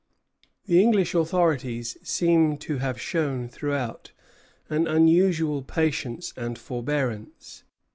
The English authorities seem to have shown throughout an unusual patience and forbearance.